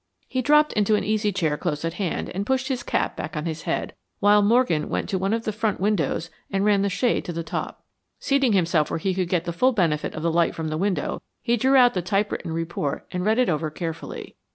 He dropped into an easy chair close at hand, and pushed his cap back on his head, while Morgan went to one of the front windows and ran the shade to the top. Seating himself where he could get the full benefit of the light from the window, he drew out the typewritten report and read it over carefully.